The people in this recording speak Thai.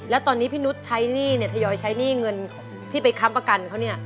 แล้วตอนนี้พี่นุษย์ใช้หนี้เนี่ยทยอยใช้หนี้เงินที่ไปค้ำประกันเขาเนี่ย